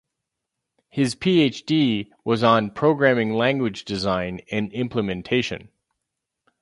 His PhD was on programming language design and implementation.